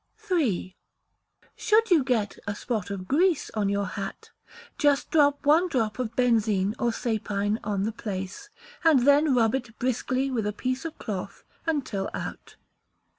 iii. Should you get a spot of grease on your hat, just drop one drop of benzine or sapine on the place, and then rub it briskly with a piece of cloth until out.